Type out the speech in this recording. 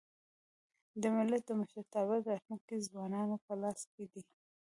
د ملت د مشرتابه راتلونکی د ځوانانو په لاس کي دی.